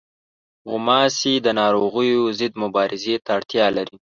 غوماشې د ناروغیو ضد مبارزې ته اړتیا لري.